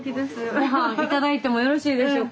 ごはん頂いてもよろしいでしょうか？